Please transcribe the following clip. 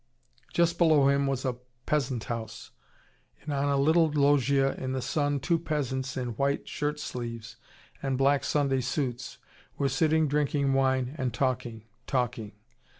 Just below him was a peasant house: and on a little loggia in the sun two peasants in white shirtsleeves and black Sunday suits were sitting drinking wine, and talking, talking.